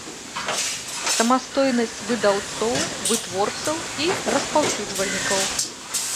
Самастойнасць выдаўцоў, вытворцаў i распаўсюджвальнiкаў.